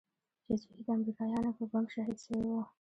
چې زوى يې د امريکايانو په بم شهيد سوى و.